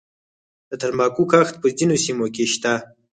د تنباکو کښت په ځینو سیمو کې شته